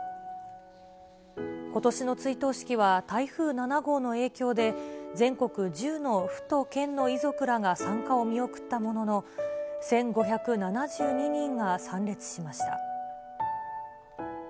ことしの追悼式は台風７号の影響で、全国１０の府と県の遺族らが参加を見送ったものの、１５７２人が参列しました。